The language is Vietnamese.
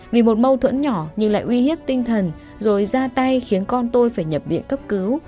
vì một mâu thuẫn nhỏ nhưng lại uy hiếp tinh thần rồi ra tay khiến con tôi phải nhập viện cấp cứu